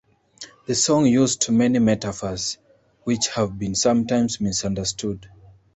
The song used many metaphors, which have been sometimes misunderstood.